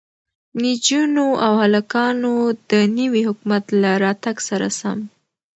نجونو او هلکانو د نوي حکومت له راتگ سره سم